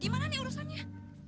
gimana nih urusannya